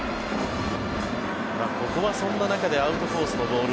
ここはそんな中でアウトコースのボール